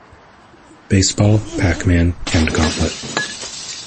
Baseball", "Pac-Man" and "Gauntlet".